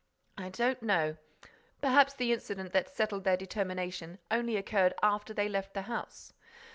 "I don't know. Perhaps the incident that settled their determination only occurred after they had left the house.